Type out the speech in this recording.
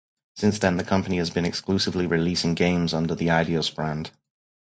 Since then the company has been exclusively releasing games under the Eidos brand.